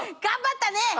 頑張ったね。